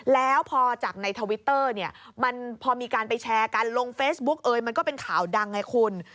แล้วพอจากในทวิตเตอร์เนี่ยมันพอมีการไปแชร์กันลงเฟซบุ๊กเอยมันก็เป็นข่าวดังไงคุณ